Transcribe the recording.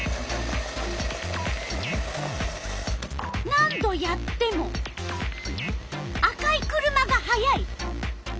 何度やっても赤い車が速い！